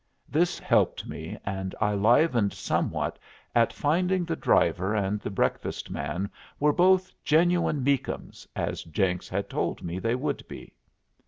This helped me, and I livened somewhat at finding the driver and the breakfast man were both genuine Meakums, as Jenks had told me they would be.